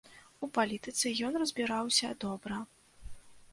У палітыцы ён разбіраўся добра.